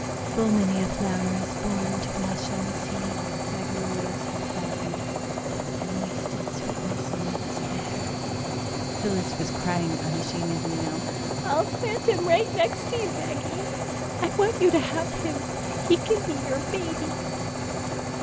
"'Full many a flower is born to blush unseen,'" Magnolia said sadly, "'and waste its sweetness on the desert air.'" Phyllis was crying unashamedly now. "I'll plant him right next to you Maggie. I want you to have him. He can be your baby."